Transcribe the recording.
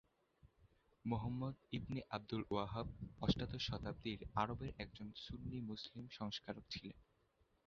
Muhammad ibn Abdul Wahhab অষ্টাদশ শতাব্দীর আরবের একজন সুন্নি মুসলিম সংস্কারক ছিলেন।